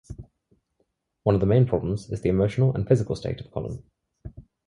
One of the main problems is the emotional and physical state of Colin.